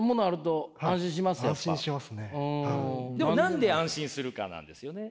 でも何で安心するかなんですよね。